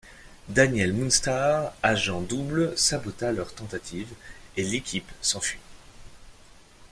Danielle Moonstar, agent double, sabota leur tentative, et l'équipe s'enfuit.